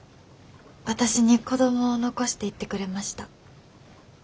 私に子供を残していってくれました。